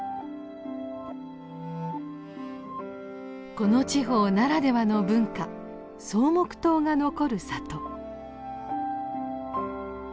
この地方ならではの文化「草木塔」が残る里。